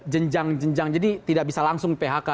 jenjang jenjang jadi tidak bisa langsung phk